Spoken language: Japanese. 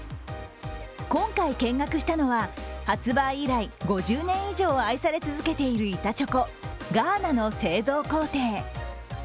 今回見学したのは、発売以来５０年以上愛され続けている板チョコ、ガーナの製造工程。